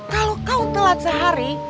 kalau kau telat sehari